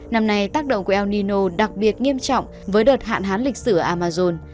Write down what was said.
năm nay tác động của el nino đặc biệt nghiêm trọng với đợt hạn hán lịch sử amazon